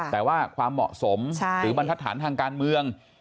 แต่ว่าความเหมาะสมหรือบรรทัศนทางการเมือง